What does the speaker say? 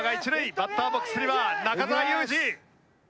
バッターボックスには中澤佑二。